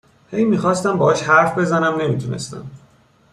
هی می خواستم باهاش حرف بزنم نمی تونستم